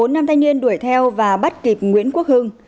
bốn nam thanh niên đuổi theo và bắt kịp nguyễn quốc hưng